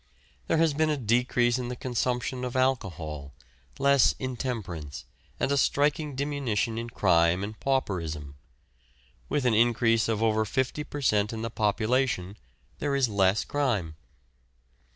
There has been a decrease in the consumption of alcohol, less intemperance, and a striking diminution in crime and pauperism. With an increase of over fifty per cent. in the population there is less crime.